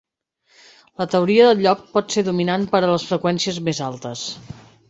La teoria del lloc pot ser dominant per a les freqüències més altes.